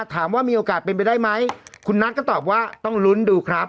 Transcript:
ถามว่ามีโอกาสเป็นไปได้ไหมคุณนัทก็ตอบว่าต้องลุ้นดูครับ